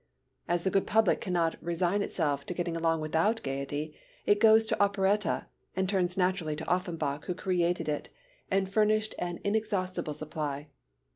As the good public cannot resign itself to getting along without gaiety, it goes to operetta and turns naturally to Offenbach who created it and furnished an inexhaustible supply.